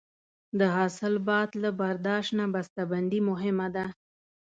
د حاصل بعد له برداشت نه بسته بندي مهمه ده.